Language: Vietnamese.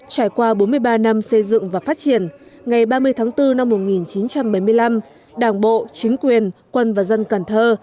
trải qua bốn mươi ba năm xây dựng và phát triển ngày ba mươi tháng bốn năm một nghìn chín trăm bảy mươi năm đảng bộ chính quyền quân và dân cần thơ